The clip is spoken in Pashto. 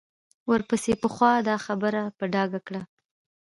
ورپسې پېښو دا خبره په ډاګه کړه.